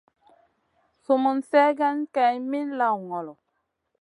Sum mun sergue Kay min lawn ngolo.